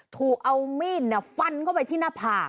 ถูกเอามีดฟันเข้าไปที่หน้าผาก